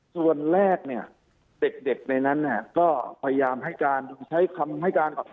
ส่วนแรกเนี่ยเด็กในนั้นเนี่ยก็พยายามให้การใช้คำให้การ